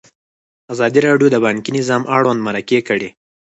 ازادي راډیو د بانکي نظام اړوند مرکې کړي.